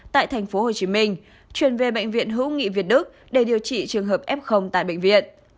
tại thành phố hồ chí minh chuyển về bệnh viện hữu nghị việt đức để điều trị trường hợp f tại bệnh viện